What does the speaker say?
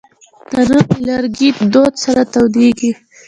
تنور د لرګي دود سره تودېږي